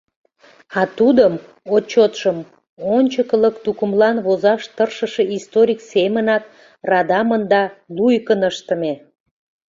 А тудым, отчётшым, ончыклык тукымлан возаш тыршыше историк семынак радамын да луйыкын ыштыме.